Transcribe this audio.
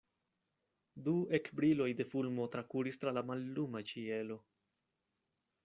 Du ekbriloj de fulmo trakuris tra la malluma ĉielo.